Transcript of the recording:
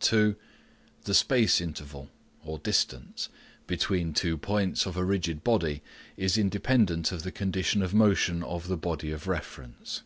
(2) The space interval (distance) between two points of a rigid body is independent of the condition of motion of the body of reference.